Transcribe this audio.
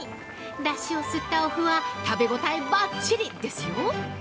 だしを吸ったお麩は食べ応えばっちりですよ。